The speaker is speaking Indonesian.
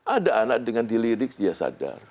ada anak dengan dilirik dia sadar